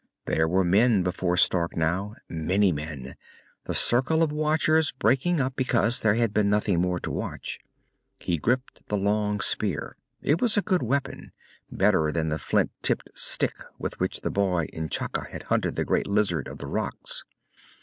There were men before Stark now, many men, the circle of watchers breaking up because there had been nothing more to watch. He gripped the long spear. It was a good weapon, better than the flint tipped stick with which the boy N'Chaka had hunted the giant lizard of the rocks.